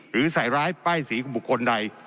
หรือใส่ร้ายป้ายสีของบุคคลใด